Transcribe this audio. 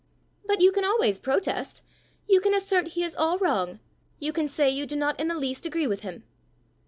"But you can always protest! You can assert he is all wrong. You can say you do not in the least agree with him!"